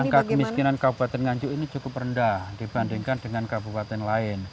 angka kemiskinan kabupaten nganjuk ini cukup rendah dibandingkan dengan kabupaten lain